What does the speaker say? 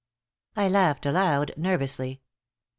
I laughed aloud, nervously.